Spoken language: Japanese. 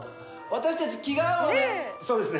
私たち気が合うわね。